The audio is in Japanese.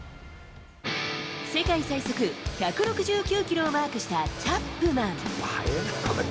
世界最速１６９キロをマークしたチャップマン。